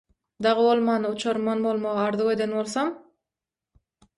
Dagy bolmanda uçarman bolmagy arzuw eden bolsam.